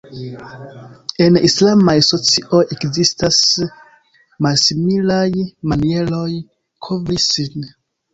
En islamaj socioj ekzistas malsimilaj manieroj kovri sin.